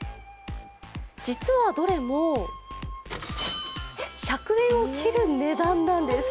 実はどれも１００円を切る値段なんです。